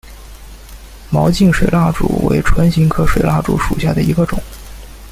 毛茎水蜡烛为唇形科水蜡烛属下的一个种。